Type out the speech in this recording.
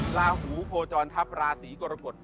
ลาหูโคจรทัพราศีกรกฎ